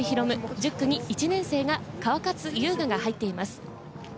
１０区に１年生の川勝悠雅が入っています。